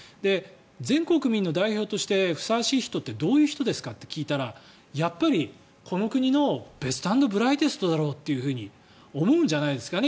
全国民の代表としてふさわしい人ってどういう人ですかっていうとやっぱり、この国のベスト・アンド・ブライテストだろうって思うんじゃないですかね